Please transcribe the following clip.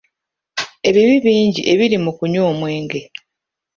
Ebibi bingi ebiri mu kunywa omwenge.